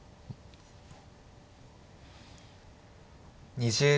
２０秒。